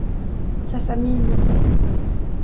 Sa famille non...